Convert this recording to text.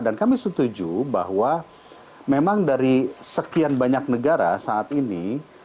dan kami setuju bahwa memang dari sekian banyak negara saat ini